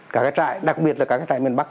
cả cái trại đặc biệt là cả cái trại miền bắc